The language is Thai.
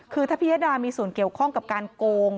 คือถ้าพิยดามีส่วนเกี่ยวข้องกับการโกง